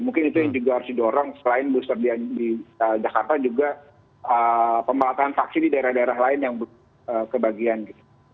mungkin itu yang juga harus didorong selain booster di jakarta juga pemerataan vaksin di daerah daerah lain yang belum kebagian gitu